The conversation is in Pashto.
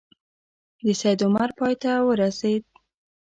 د سید عمر پای ته ورسېد.